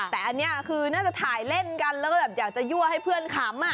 แต่อันนี้คือน่าจะถ่ายเล่นกันแล้วก็แบบอยากจะยั่วให้เพื่อนขำ